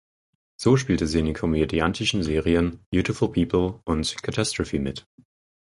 So spielte sie in den komödiantischen Serien "Beautiful People" und "Catastrophe" mit.